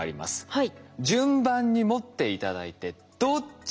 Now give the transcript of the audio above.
はい。